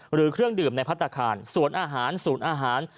เครื่องดื่มในพัฒนาคารสวนอาหารศูนย์อาหาร